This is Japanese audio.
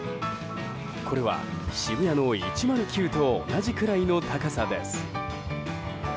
これは渋谷の１０９と同じくらいの高さです。